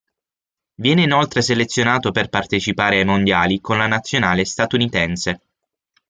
Viene inoltre selezionato per partecipare ai mondiali con la nazionale statunitense.